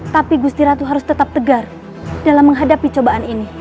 tapi gusti ratu harus tetap tegar dalam menghadapi cobaan ini